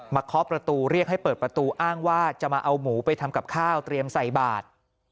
เคาะประตูเรียกให้เปิดประตูอ้างว่าจะมาเอาหมูไปทำกับข้าวเตรียมใส่บาท